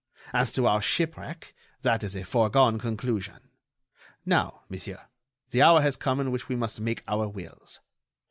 As to our shipwreck, that is a foregone conclusion. Now, monsieur, the hour has come in which we must make our wills.